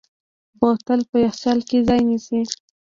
بوتل په یخچال کې ځای نیسي.